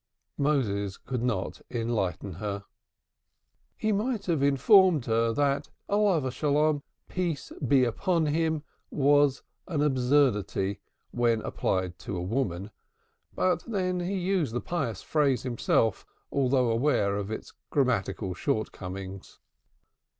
Moses could not enlighten her. He might have informed her that olov hasholom, "peace be upon him," was an absurdity when applied to a woman, but then he used the pious phrase himself, although aware of its grammatical shortcomings.